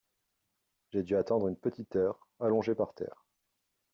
J’ai dû attendre une petite heure, allongé par terre.